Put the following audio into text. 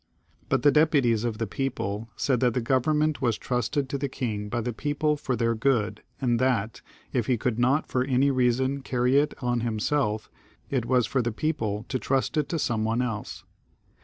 But the deputies of the people said that the government was trusted to the king by the people for their good, and that, if he could not for any reason carry it on himself, it was for the people to trust it to some one else.